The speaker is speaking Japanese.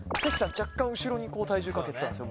若干後ろに体重かけてたんですよ